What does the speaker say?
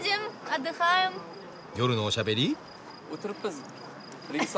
夜のおしゃべり。